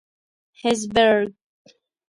هېزبرګ.